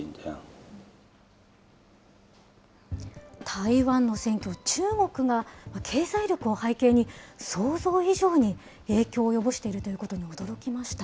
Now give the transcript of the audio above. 台湾の選挙、中国が経済力を背景に、想像以上に影響を及ぼしているということに驚きました。